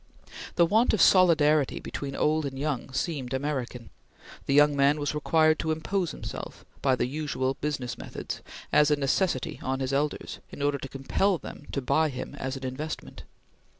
The want of solidarity between old and young seemed American. The young man was required to impose himself, by the usual business methods, as a necessity on his elders, in order to compel them to buy him as an investment.